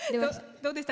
どうでした？